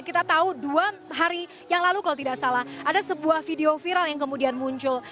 kita tahu dua hari yang lalu kalau tidak salah ada sebuah video viral yang kemudian muncul